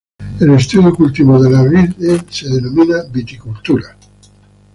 El estudio y cultivo de las vides se denomina viticultura.